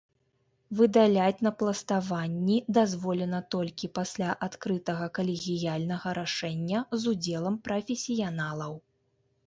Выдаляць напластаванні дазволена толькі пасля адкрытага калегіяльнага рашэння з удзелам прафесіяналаў.